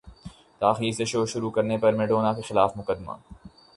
تاخیر سے شو شروع کرنے پر میڈونا کے خلاف مقدمہ